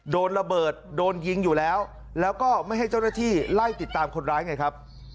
โดนระเบิดโดนยิงอยู่แล้วแล้วก็ไม่ให้เจ้าหน้าที่ไล่ติดตามคนร้ายไงครับ